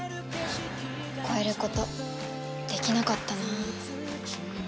超えることできなかったな